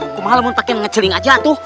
aku malem mau pakai ngeceling aja tuh